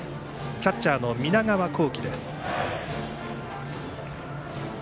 キャッチャーの南川幸輝です。